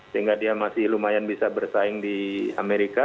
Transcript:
sehingga dia masih lumayan bisa bersaing di amerika